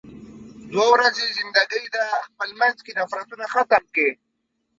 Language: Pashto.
دوه ورځې زندګی ده، خپل مينځ کې نفرتونه ختم کې.